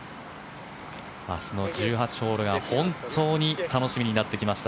明日の１８ホールが本当に楽しみになってきました。